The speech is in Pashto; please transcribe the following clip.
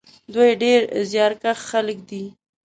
دوی ډېر زیارکښ خلک دي.